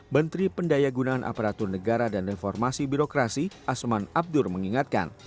menteri pendaya gunaan aparatur negara dan reformasi birokrasi asman abdur mengingatkan